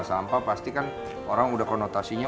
sampah pasti kan orang udah konotasinya